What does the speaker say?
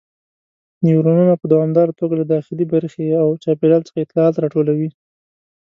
نیورونونه په دوامداره توګه له داخلي برخې او چاپیریال څخه اطلاعات راټولوي.